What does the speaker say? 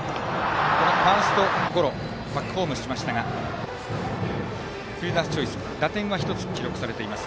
ファーストゴロをバックホームしましたがフィルダースチョイスで打点は１つ記録されています。